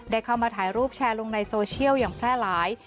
เข้ามาถ่ายรูปแชร์ลงในโซเชียลอย่างแพร่หลาย